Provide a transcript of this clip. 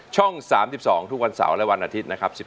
ช่อง๓๒ทุกวันเสาร์และวันอาทิตย์นะครับ